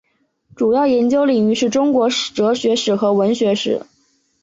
主要研究领域是中国哲学史和文学史。